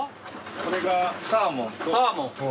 これがサーモンと。